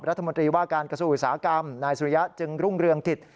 รัฐมนตรีว่าการกระทรวงอุตสาหกรรมนายสุริยะจึงรุ่งเรืองกิจ